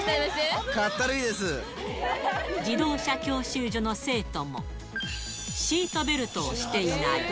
自動車教習所の生徒も、シートベルトをしていない。